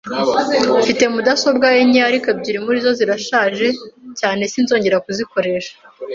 Mfite mudasobwa enye, ariko ebyiri muri zo zirashaje cyane sinzongera kuzikoresha.